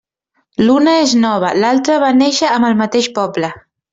L'una és nova, l'altra va néixer amb el mateix poble.